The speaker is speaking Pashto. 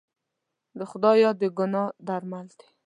د خدای یاد د ګناه درمل دی.